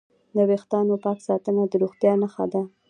د وېښتانو پاک ساتنه د روغتیا نښه ده.